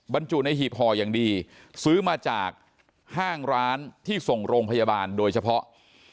บรรจุในหีบห่ออย่างดีซื้อมาจากห้างร้านที่ส่งโรงพยาบาลโดยเฉพาะ